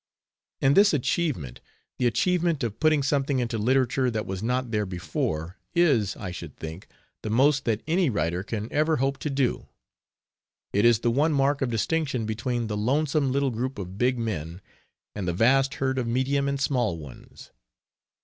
And this achievement, the achievement of putting something into literature that was not there before, is, I should think, the most that any writer can ever hope to do. It is the one mark of distinction between the "lonesome" little group of big men and the vast herd of medium and small ones.